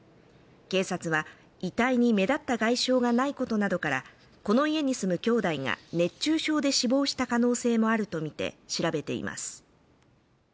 警察は遺体に目立った外傷がないことなどからこの家に住む兄弟が熱中症で死亡した可能性もあるとみて調べています